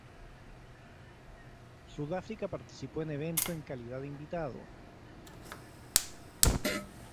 Sudáfrica partició en el evento en calidad de invitado.